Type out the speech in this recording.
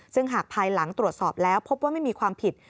ซึ่งหากภายหลังตรวจสอบแล้วพบว่าไม่มีความผิด